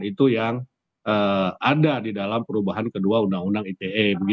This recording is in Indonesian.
itu yang ada di dalam perubahan kedua undang undang ite